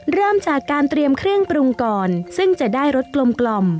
เริ่มจากการเตรียมเครื่องปรุงก่อนซึ่งจะได้รสกลม